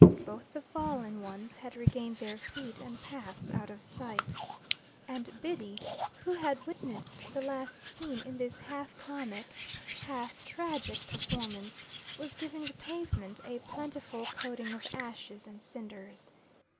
Both the fallen ones had regained their feet, and passed out of sight, and Biddy, who had witnessed the last scene in this half comic, half tragic performance, was giving the pavement a plentiful coating of ashes and cinders.